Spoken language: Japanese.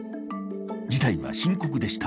事態は深刻でした。